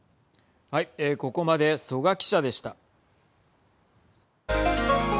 ここまで曽我記者でした。